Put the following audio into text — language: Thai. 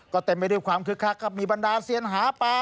ก็เต็มไปด้วยความคึกคักครับมีบรรดาเซียนหาปลา